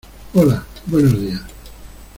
Hola, buenos días.